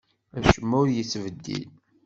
Acemma ur yettbeddil.